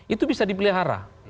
itu bisa dipelihara